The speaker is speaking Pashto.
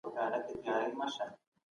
د ذمي په ژوند تجاوز نه سي کېدای.